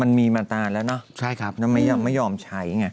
มันมีมาตาลแล้วนะแล้วไม่ยอมใช้